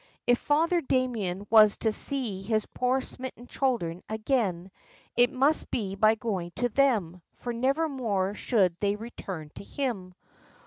If Father Damien was to see his poor smitten children again, it must be by going to them, for nevermore should they return to him.